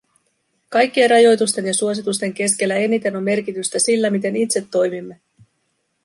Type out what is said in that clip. Kaikkien rajoitusten ja suositusten keskellä eniten on merkitystä sillä, miten itse toimimme.